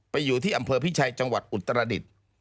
อยู่ที่อำเภอพิชัยจังหวัดอุตรดิษฐ์